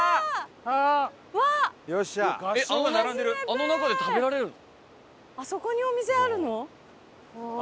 あの中で食べられるの？